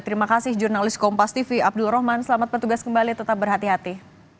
terima kasih jurnalis kompas tv abdul rahman selamat bertugas kembali tetap berhati hati